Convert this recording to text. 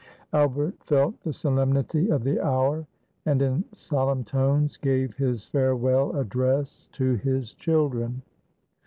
Albert felt the solemnity of the hour, and in solemn tones gave his farewell address to his children.